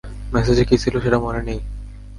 মেসেজে কী ছিলো সেটা মনে নেই?